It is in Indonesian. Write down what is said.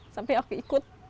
sampai aku ikut ke kamar